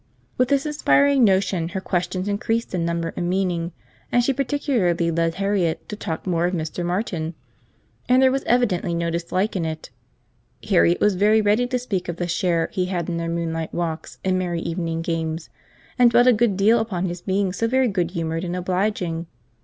With this inspiriting notion, her questions increased in number and meaning; and she particularly led Harriet to talk more of Mr. Martin, and there was evidently no dislike to it. Harriet was very ready to speak of the share he had had in their moonlight walks and merry evening games; and dwelt a good deal upon his being so very good humoured and obliging.